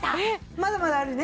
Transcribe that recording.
まだまだあるね